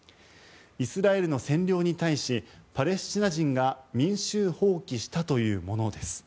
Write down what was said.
イスラエルの占領に対しパレスチナ人が民衆蜂起したというものです。